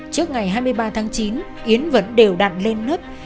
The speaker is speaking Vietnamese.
trước ngày hai mươi ba tháng chín yến vẫn đều đặt lên lớp